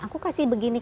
aku kasih begini